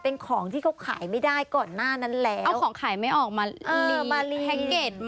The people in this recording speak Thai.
เป็นของที่เขาขายไม่ได้ก่อนหน้านั้นแล้วเอาของขายไม่ออกมารีแฮ็กเก็ต